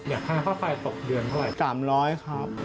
เนี่ยคณะเข้าไฟตกเดือนเท่าไรครับสามร้อยครับ